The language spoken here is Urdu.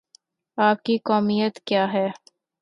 آپ کی قومیت کیا ہے؟